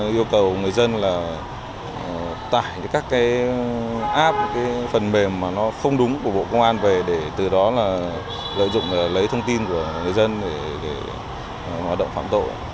yêu cầu người dân tải các app phần mềm không đúng của bộ công an về để từ đó lợi dụng lấy thông tin của người dân để hoạt động phám tội